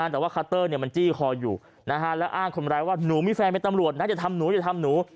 แต่ว่าคัตเตอร์มันจี้คออยู่แล้วอ้างคนร้ายว่าหนูมีแฟนเป็นตำรวจนะอย่าทำหนูอย่าทำหนู